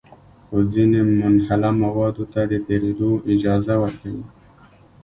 خو ځینې منحله موادو ته د تېرېدو اجازه ورکوي.